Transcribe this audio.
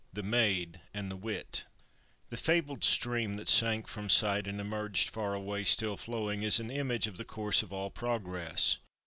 THE MAID AND THE WIT The fabled stream that sank from sight, and emerged far away, still flowing, is an image of the course of all progress.